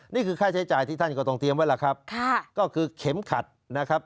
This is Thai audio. นี่คือค่าใช้จ่ายที่ท่านก็ต้องเตรียมไว้ล่ะครับค่ะก็คือเข็มขัดนะครับ